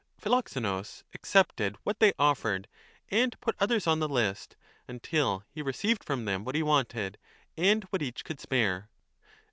Philoxenus accepted what they offered and put others on the list, until he received from them what he wanted and what each could spare.